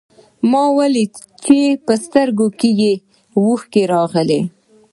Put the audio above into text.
ما وليده چې په سترګو کې يې اوښکې راغلې.